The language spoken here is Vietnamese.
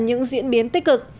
những diễn biến tích cực